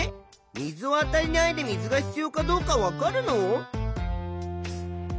水をあたえないで水が必要かどうかわかるの？